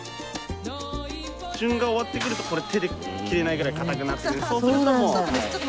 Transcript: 旬が終わってくるとこれ手で切れないぐらい堅くなってくる。